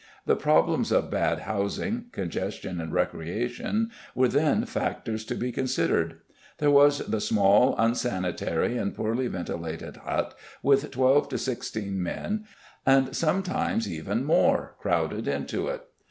The problems of bad housing, congestion and recreation were then factors to be considered. There was the small unsanitary and poorly ventilated hut with twelve to sixteen men and sometimes even more crowded into it.